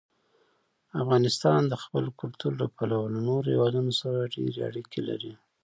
افغانستان د خپل کلتور له پلوه له نورو هېوادونو سره ډېرې اړیکې لري.